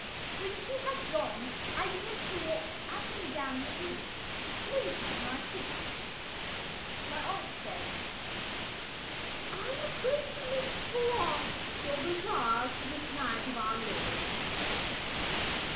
When she had gone I began to walk up and down the room, clenching my fists. My aunt said: "I'm afraid you may put off your bazaar for this night of Our Lord."